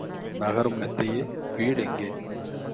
நகரும் நத்தையே, வீடெங்கே?